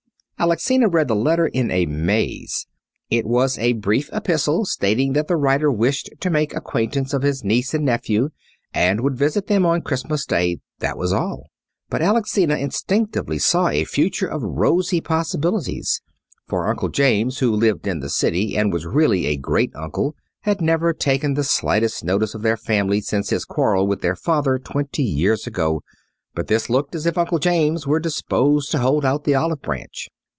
Alexina read the letter in a maze. It was a brief epistle, stating that the writer wished to make the acquaintance of his niece and nephew, and would visit them on Christmas Day. That was all. But Alexina instantly saw a future of rosy possibilities. For Uncle James, who lived in the city and was really a great uncle, had never taken the slightest notice of their family since his quarrel with their father twenty years ago; but this looked as if Uncle James were disposed to hold out the olive branch.